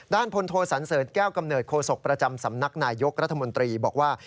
พลโทสันเสริฐแก้วกำเนิดโศกประจำสำนักนายยกรัฐมนตรีบอกว่า